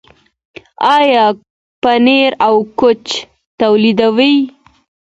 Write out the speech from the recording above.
آیا پنیر او کوچ تولیدوو؟